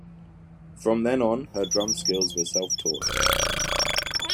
From then on her drum skills were self taught.